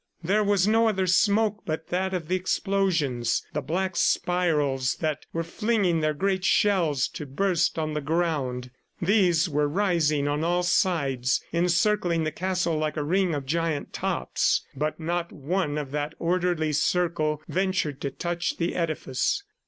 There was no other smoke but that of the explosions, the black spirals that were flinging their great shells to burst on the ground. These were rising on all sides, encircling the castle like a ring of giant tops, but not one of that orderly circle ventured to touch the edifice.